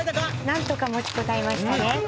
なんとか持ちこたえましたね